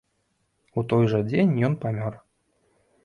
У той жа дзень ён памёр.